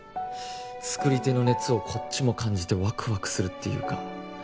作り手の熱をこっちも感じてワクワクするっていうか